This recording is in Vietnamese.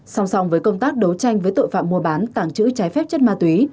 song song với công tác đấu tranh với tội phạm mua bán tàng trữ trái phép chất ma túy